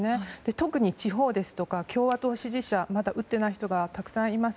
特に地方ですとか共和党支持者はまだ打っていない人がたくさんいます。